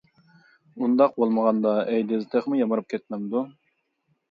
ئۇنداق بولمىغاندا، ئەيدىز تېخىمۇ يامراپ كەتمەمدۇ.